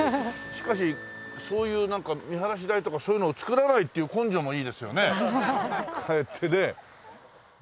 しかしそういうなんか見晴らし台とかそういうのを作らないっていう根性もいいですよねかえってね。